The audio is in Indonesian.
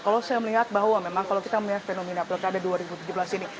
kalau saya melihat bahwa memang kalau kita melihat fenomena pilkada dua ribu tujuh belas ini